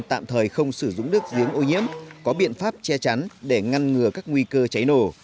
tạm thời không sử dụng nước giếng ô nhiễm có biện pháp che chắn để ngăn ngừa các nguy cơ cháy nổ